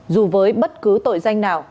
dù với bất cứ tội danh nào